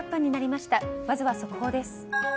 まずは速報です。